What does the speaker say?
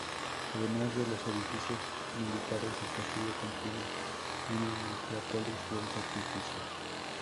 Además de los edificios militares, el castillo contiene una necrópolis de sacrificios.